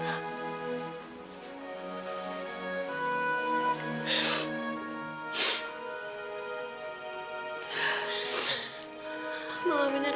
kamu bisa berhenti